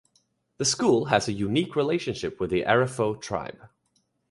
The school has a unique relationship with the Arapaho tribe.